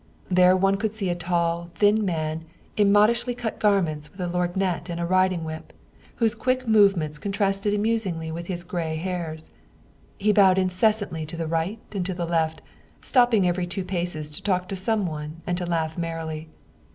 There one could see a tall, thin man in modishly cut garments with a lorgnette and a riding whip, whose quick movements contrasted amusingly with his gray hairs. He bowed incessantly to the right and to the left, stopping every two paces to talk to some one and to laugh merrily.